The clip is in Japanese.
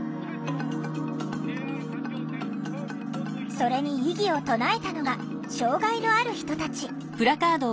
それに異議を唱えたのが障害のある人たち。